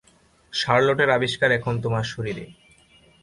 শার্লটের আবিষ্কার এখন তোমার শরীরে।